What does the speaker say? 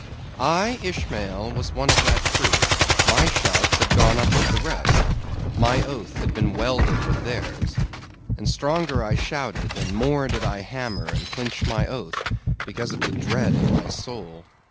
I, Ishmael, was one of that crew; my shouts had gone up with the rest; my oath had been welded with theirs; and stronger I shouted, and more did I hammer and clinch my oath, because of the dread in my soul.